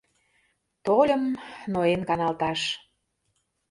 Тольым ноен-каналташ.